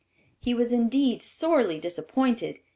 He was indeed sorely disappointed.